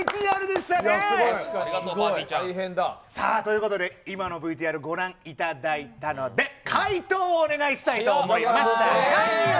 すごい。大変だ。さあ、ということで、今のＶＴＲ、ご覧いただいたので、解答をお願いしたいと思います。